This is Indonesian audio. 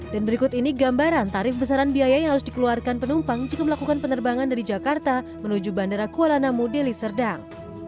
dan berikut ini gambaran tarif besaran biaya yang harus dikeluarkan penumpang jika melakukan penerbangan dari jakarta menuju bandara kuala namu deli serdang